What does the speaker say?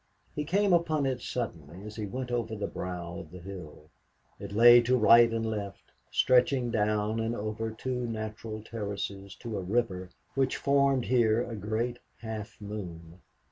He came upon it suddenly as he went over the brow of the hill. It lay to right and left, stretching down and over two natural terraces to a river which formed here a great half moon.